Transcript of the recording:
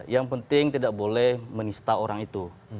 yang penting tidak boleh menista orang itu